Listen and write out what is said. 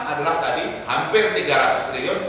adalah tadi hampir tiga ratus triliun